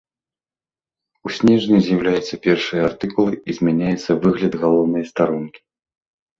У снежні з'яўляюцца першыя артыкулы і змяняецца выгляд галоўнай старонкі.